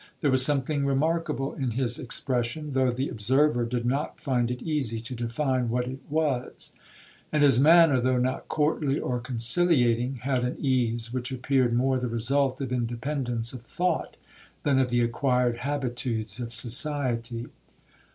There was something remarkable in his expression, though the observer did not find it easy to define what it was; and his manner, though not courtly or conciliating, had an ease which appeared more the result of independence of thought, than of the acquired habitudes of society.